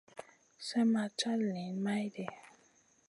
Slèh ma cal niyn maydi.